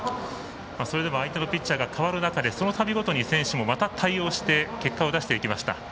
それでも相手のピッチャーが代わる中でそのたびごとに選手もまた対応して結果を出していきました。